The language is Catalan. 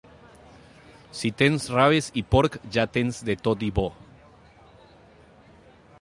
Si tens raves i porc ja tens de tot i bo.